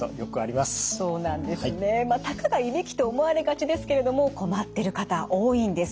まあたかがいびきと思われがちですけれども困ってる方多いんです。